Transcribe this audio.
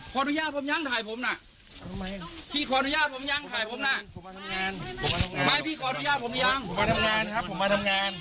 ขออนุญาตผมยังถ่ายผมน่ะ